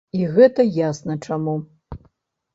І гэта ясна чаму.